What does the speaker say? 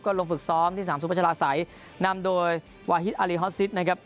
ลงฝึกซ้อมที่สนามสุพัชลาศัยนำโดยวาฮิตอารีฮอสซิสนะครับ